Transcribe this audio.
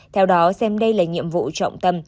theo đó xem đây là nhiệm vụ trọng tâm